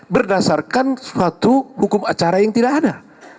berdasarkan suatu hukum acara yang tidak ada